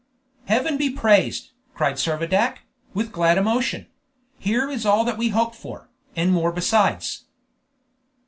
"Heaven be praised!" cried Servadac, with glad emotion; "here is all that we hoped for, and more besides!"